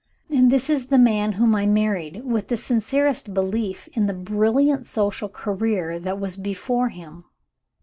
"And this is the man whom I married with the sincerest belief in the brilliant social career that was before him!